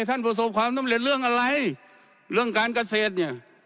ประสบความสำเร็จเรื่องอะไรเรื่องการเกษตรเนี่ย